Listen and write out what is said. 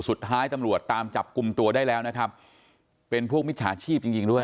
สุดท้ายตำรวจตามจับกลุ่มตัวได้แล้วนะครับเป็นพวกมิจฉาชีพจริงจริงด้วย